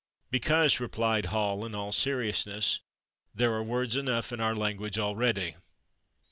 "Because," replied Hall in all seriousness, "there are words enough in our language already."